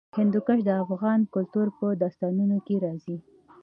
هندوکش د افغان کلتور په داستانونو کې راځي.